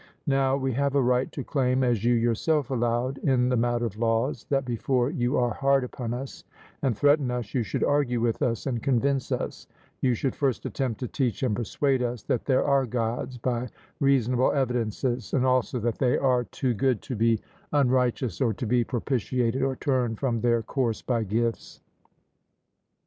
Now we have a right to claim, as you yourself allowed, in the matter of laws, that before you are hard upon us and threaten us, you should argue with us and convince us you should first attempt to teach and persuade us that there are Gods by reasonable evidences, and also that they are too good to be unrighteous, or to be propitiated, or turned from their course by gifts.